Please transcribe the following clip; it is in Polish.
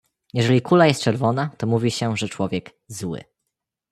"Jeżeli kula jest czerwona, to mówi się, że człowiek „zły“."